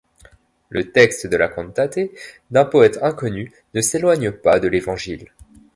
Le texte de la cantate, d'un poète inconnu, ne s'éloigne pas de l'Évangile.